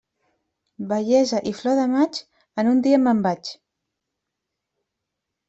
Bellesa i flor de maig, en un dia me'n vaig.